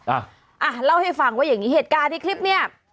อ่ะอ่ะเล่าให้ฟังว่าอย่างนี้เหตุการณ์ในคลิปเนี่ย